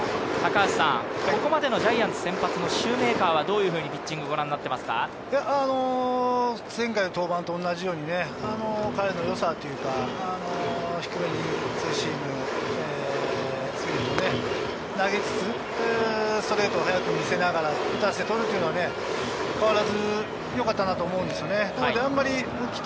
ここまでのジャイアンツ先発のシューメーカーは、どういうふうにピッチングご覧になってい前回の登板と同じように彼の良さというか、低めにツーシーム、スプリットを投げつつ、ストレートを速く見せながら、打たせて取るというような変わらずよかったなと思うんですよね。